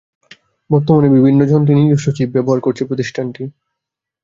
বর্তমানে বিভিন্ন যন্ত্রে নিজস্ব চিপ ব্যবহার করছে প্রতিষ্ঠানটি।